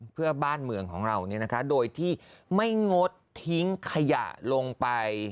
เพื่อบ้านเมืองของเราโดยที่ไม่งดทิ้งขยะลงไป